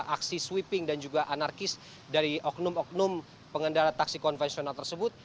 aksi sweeping dan juga anarkis dari oknum oknum pengendara taksi konvensional tersebut